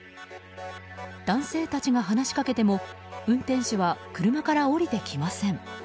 男性たちが話しかけても運転手は車から降りてきません。